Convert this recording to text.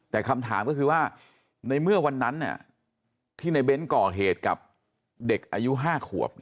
แต่คำถามก็คือว่าในเมื่อวันนั้นที่ในเบ้นก่อเหตุกับเด็กอายุ๕ขวบ